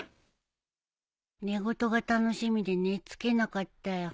寝言が楽しみで寝付けなかったよ。